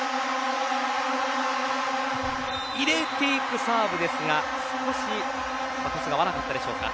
入れていくサーブですが、少しトスが合わなかったでしょうか。